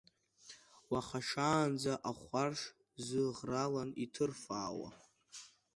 Уаха шаанӡа ахәарш зыӷралан иҭырфаауа…